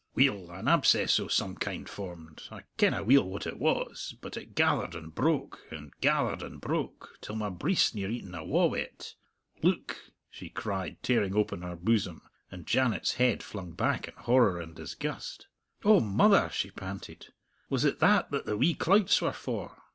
"Weel, an abscess o' some kind formed I kenna weel what it was, but it gathered and broke, and gathered and broke, till my breist's near eaten awa wi't. Look!" she cried, tearing open her bosom, and Janet's head flung back in horror and disgust. "O mother!" she panted, "was it that that the wee clouts were for?"